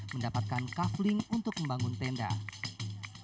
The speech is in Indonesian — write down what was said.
mendapatkan kafling untuk membangun tentara